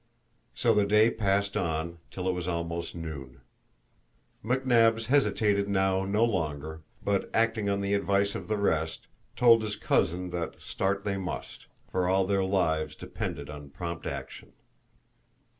So the day passed on till it was almost noon. McNabbs hesitated now no longer, but, acting on the advice of the rest, told his cousin that start they must, for all their lives depended on prompt action.